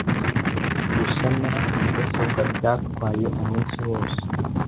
Gusana mudasobwa byatwaye umunsi wose.